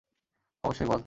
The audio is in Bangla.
অবশ্যই, বল।